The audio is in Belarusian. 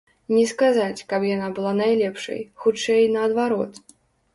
Не сказаць, каб яна была найлепшай, хутчэй наадварот.